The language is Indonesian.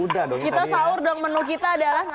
jadi ini nasi goreng mirip nasi kuning ya